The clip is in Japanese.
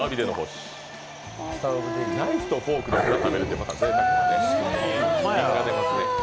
ナイフとフォークでオクラを食べるってまたぜいたくですね。